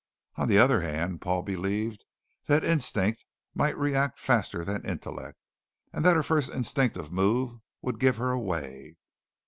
On the other hand, Paul believed that instinct might react faster than intellect, and that her first instinctive move would give her away.